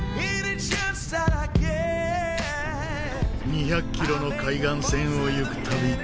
２００キロの海岸線を行く旅。